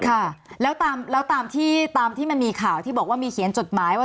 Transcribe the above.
ค่ะแล้วตามที่ตามที่มันมีข่าวที่บอกว่ามีเขียนจดหมายว่า